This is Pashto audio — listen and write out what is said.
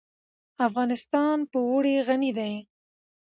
افغانستان په اوړي غني دی.